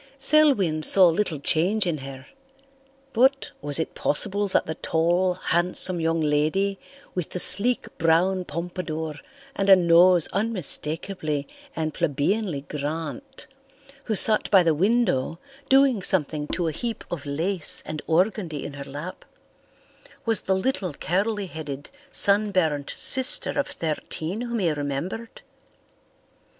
Selwyn saw little change in her. But was it possible that the tall, handsome young lady with the sleek brown pompadour and a nose unmistakably and plebeianly Grant, who sat by the window doing something to a heap of lace and organdy in her lap, was the little curly headed, sunburned sister of thirteen whom he remembered?